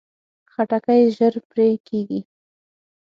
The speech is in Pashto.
خټکی ژر پرې کېږي.